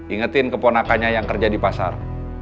ingetin keponakannya yang kerja di pasar